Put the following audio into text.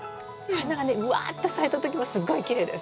花がねうわって咲いた時もすっごいきれいです。